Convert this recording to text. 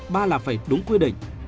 ba là phải đúng quy định